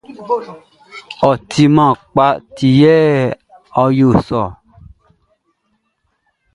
Ɔ timan kpa ti yɛ ɔ yo sɔ ɔ.